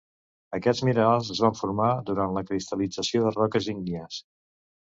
Aquests minerals es van formar durant la cristalització de roques ígnies.